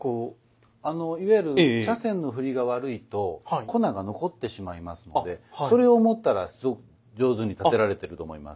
いわゆる茶筅の振りが悪いと粉が残ってしまいますのでそれを思ったらすごく上手に点てられてると思います。